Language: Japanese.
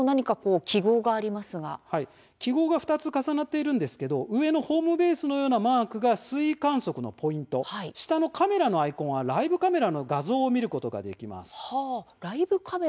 記号が２つ重なっているんですが上のホームベースのようなマークが水位観測のポイント下のカメラのアイコンはライブカメラの画像を見ることができます。